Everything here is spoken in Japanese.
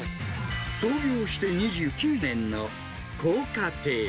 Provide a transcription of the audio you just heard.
創業して２９年の、光華亭。